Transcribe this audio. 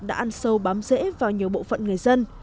đã ăn sâu bám rễ vào nhiều bộ phận người dân